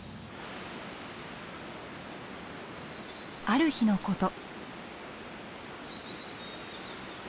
ある日のこと。